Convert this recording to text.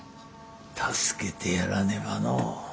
助けてやらねばのう。